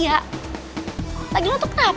lagi lu kenapa selalu ngeribetin hidup gue